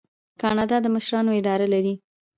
کاناډا د مشرانو اداره لري.